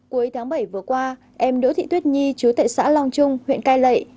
cuối tháng bảy vừa qua em đỗ thị tuyết nhi chú tại xã long trung huyện cai lệ